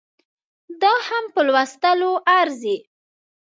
دا هم په لوستلو ارزي